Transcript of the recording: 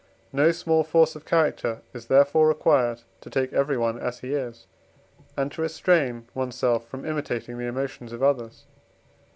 No small force of character is therefore required to take everyone as he is, and to restrain one's self from imitating the emotions of others.